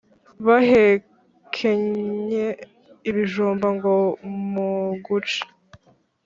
bahekenye ibijumba ngo muguci